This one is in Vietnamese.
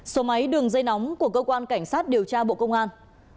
số máy đường dây nóng của cơ quan cảnh sát điều tra bộ công an